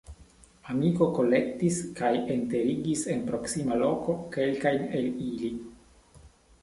Amiko kolektis kaj enterigis en proksima loko kelkajn el ili.